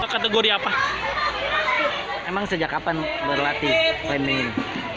kategori apa memang sejak kapan berlatih krim ini